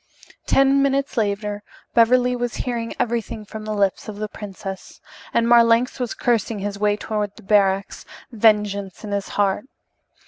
Ten minutes later Beverly was hearing everything from the lips of the princess, and Marlanx was cursing his way toward the barracks, vengeance in his heart.